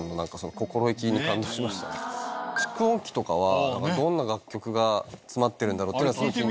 蓄音機とかはどんな楽曲が詰まってるんだろうってのは。